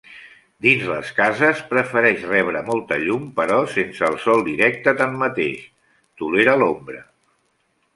Dins les cases, prefereix rebre molta llum però sense el sol directe tanmateix, tolera l'ombra.